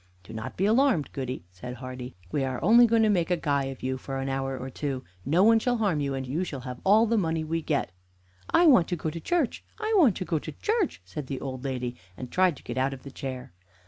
"Do not be alarmed, Goody," said Hardy. "We are only going to make a guy of you for an hour or two. No one shall harm you, and you shall have all the money we get." "I want to go to church I want to go to church!" said the old lady, and tried to get out of the chair.